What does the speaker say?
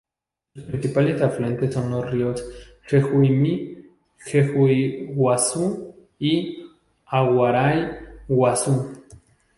Sus principales afluentes son los ríos Jejuí-Mi jejui-Guazú y Aguaray Guazú.